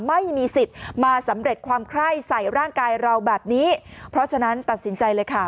ไม่มีสิทธิ์มาสำเร็จความไคร้ใส่ร่างกายเราแบบนี้เพราะฉะนั้นตัดสินใจเลยค่ะ